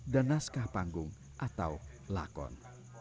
dan naskah panggung atau lakon